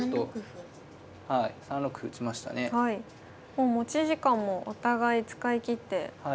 もう持ち時間もお互い使い切って。